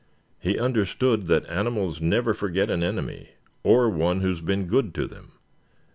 He understood that animals never forget an enemy, or one who has been good to them.